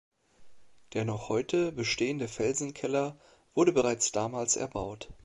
Der noch heute bestehende Felsenkeller wurde bereits damals erbaut.